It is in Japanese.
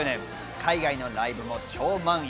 海外のライブも超満員。